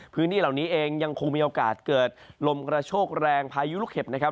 พื้นที่เหล่านี้เองยังคงมีโอกาสเกิดลมกระโชกแรงพายุลูกเห็บนะครับ